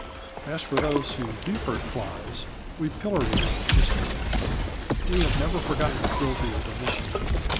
As for those who do hurt flies, we pillory them in history. We have never forgotten the cruelty of Domitian.